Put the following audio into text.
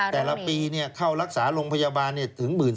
แต่ละปีเข้ารักษาโรงพยาบาลถึง๑๕๐๐